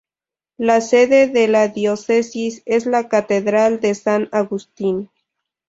La sede de la Diócesis es la Catedral de San Agustín.